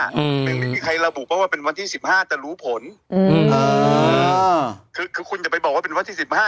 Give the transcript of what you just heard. ไม่มีใครระบุว่าว่าเป็นวันที่สิบห้าจะรู้ผลคือคุณอย่าไปบอกว่าเป็นวันที่สิบห้า